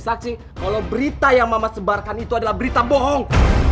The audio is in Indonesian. saksi kalau berita yang mama sebarkan itu adalah berita bohong